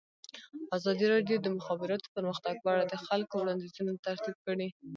ازادي راډیو د د مخابراتو پرمختګ په اړه د خلکو وړاندیزونه ترتیب کړي.